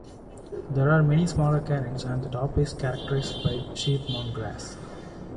There are many smaller cairns and the top is characterised by sheep-mown grass.